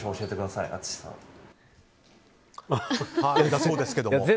だそうですけども。